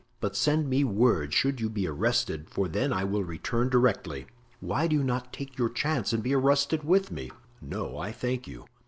But send me word should you be arrested, for then I will return directly." "Why do you not take your chance and be arrested with me?" "No, I thank you."